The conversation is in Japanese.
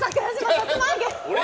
さつま揚げ！